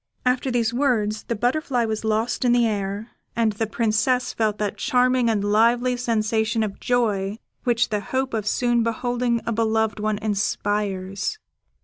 After these words, the butterfly was lost in the air; and the Princess felt that charming and lively sensation of joy which the hope of soon beholding a beloved one inspires.